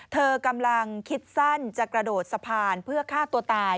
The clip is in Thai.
เธอกำลังคิดสั้นจะกระโดดสะพานเพื่อฆ่าตัวตาย